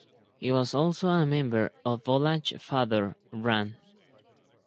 He was also a member of Volach father, Ran.